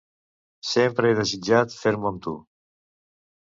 "Sempre he desitjat fer-m'ho amb tu.